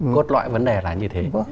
cốt loại vấn đề là như thế